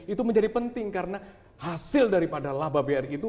itu menjadi penting karena hasil daripada laba bri itu